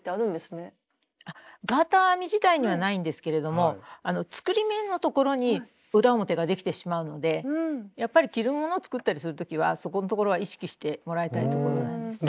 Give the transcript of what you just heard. ガーター編み自体にはないんですけれども作り目のところに裏表ができてしまうのでやっぱり着るものを作ったりする時はそこんところは意識してもらいたいところなんですね。